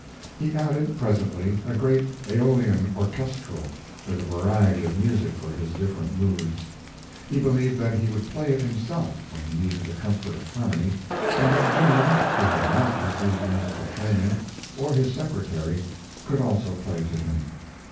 He added, presently, a great AEolian Orchestrelle, with a variety of music for his different moods. He believed that he would play it himself when he needed the comfort of harmony, and that Jean, who had not received musical training, or his secretary could also play to him.